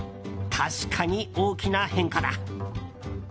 確かに大きな変化だ。